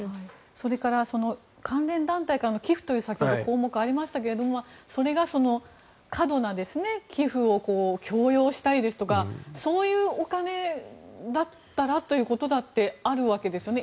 それから関連団体からの寄付というのが項目にありましたけれどもそれが過度な寄付を強要したりですとかそういうお金だったらということだってあるわけですよね。